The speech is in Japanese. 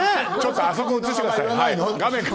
あそこ写してください。